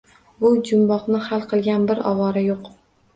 Bu jumboqni hal qilgan bir ovora yo‘q